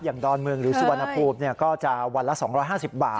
อย่างดอนเมืองหรือสุวรรณภูมิเนี่ยก็จะวันละ๒๕๐บาท